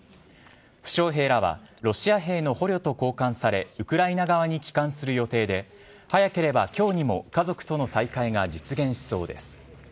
負傷兵らはロシア兵の捕虜と交換され、ウクライナ側に帰還する予定で、早ければきょうにも家族との再会が実現しそうです。